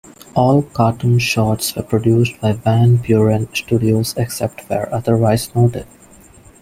All cartoon shorts were produced by Van Beuren Studios except where otherwise noted.